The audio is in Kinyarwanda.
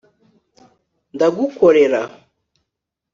ndagukorera